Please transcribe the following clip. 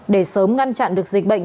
để sớm ngăn chặn được dịch bệnh